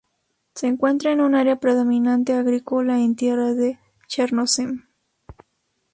Se encuentra en un área predominantemente agrícola en tierras de "chernozem".